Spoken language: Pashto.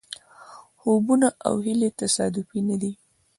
خوبونه او هیلې تصادفي نه دي.